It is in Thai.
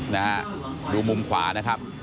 นะฮะดูมุมขวานะครับ